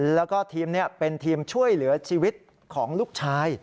แล้วก็ทีมนี้เป็นทีมช่วยเหลือชีวิตของลูกชาย